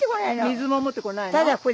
水も持ってこないの？